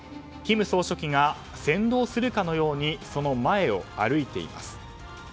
金総書記が、先導するかのようにその前を歩いています。